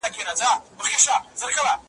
او پر ځای د چڼچڼیو توتکیو `